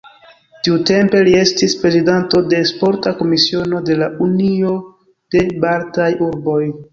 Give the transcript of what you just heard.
Tiutempe li estis prezidanto de Sporta Komisiono de la Unio de Baltaj Urboj.